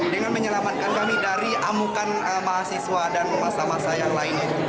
dengan menyelamatkan kami dari amukan mahasiswa dan masyarakat yang lain